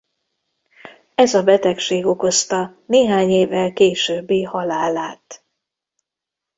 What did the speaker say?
Ez a betegség okozta néhány évvel későbbi halálát.